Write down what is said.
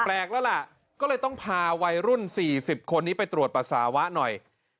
แปลกแล้วล่ะก็เลยต้องพาวัยรุ่น๔๐คนนี้ไปตรวจปัสสาวะหน่อย